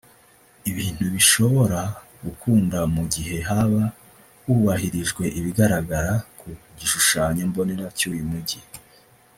ibintu bishobora gukunda mu gihe haba hubahirijwe ibigaragara ku gishushanyo mbonera cy’uyu mujyi